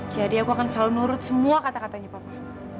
jadi aku akan selalu nurut semua kata katanya papa